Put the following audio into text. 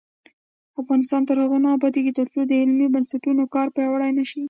افغانستان تر هغو نه ابادیږي، ترڅو د علمي بنسټونو کار پیاوړی نشي.